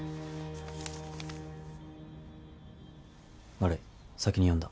悪い先に読んだ。